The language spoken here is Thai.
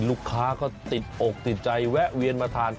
ลูกค้าก็ติดอกติดใจแวะเวียนมาทาน